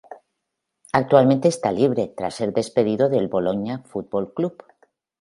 Actualmente está libre tras ser despedido del Bologna Football Club.